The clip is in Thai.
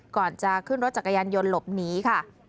ก่อนจะขึ้นรถจักรยานยนต์หลบหนีค่ะ